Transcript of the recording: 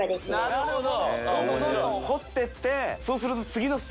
なるほど。